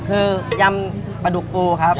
คือยำปลาดุกปูครับ